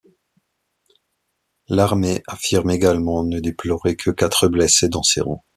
L'armée affirme également ne déplorer que quatre blessés dans ses rangs.